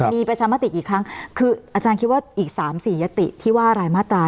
มีประชามติกี่ครั้งคืออาจารย์คิดว่าอีก๓๔ยติที่ว่ารายมาตรา